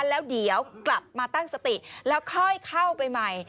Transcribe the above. แล้วเดี๋ยวกลับมาตั้งสติแล้วค่อยเข้าไปใหม่